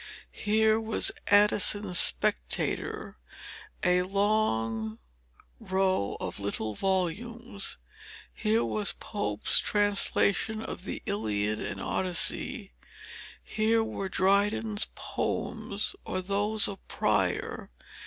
Here was Addison's Spectator, a long row of little volumes; here was Pope's translation of the Iliad and Odyssey; here were Dryden's poems, or those of Prior.